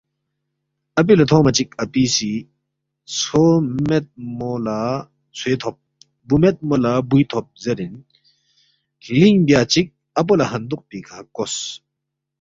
اپی لہ تھونگما چِک اپی سی، ژھو میدمو لہ ژھوے تھوب، بُو میدمو لہ بُوی تھوب زیرین ہلِنگ بیا چِک اپو لہ ہندوق پیکھہ کوس